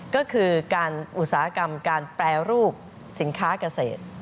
ก็คือการอุตสาหกรรมการแปรรูปสินค้าเกษตร